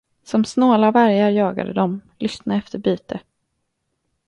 Som snåla vargar jagade de, lystna efter byte.